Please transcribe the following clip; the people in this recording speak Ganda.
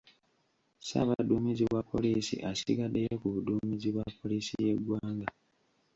Ssaabaduumizi wa poliisi asigaddeyo ku buduumizi bwa poliisi y’eggwanga.